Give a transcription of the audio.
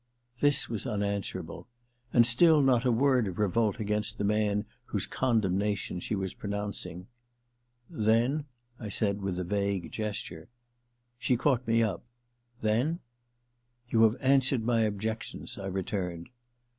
* This was unanswerable — ^and still not a word of revolt against the man whose condemnation she was pronouncing !* Then * I said with a vague gesture. She caught me up. * Then ?'* You have answered my objections,* I re turned.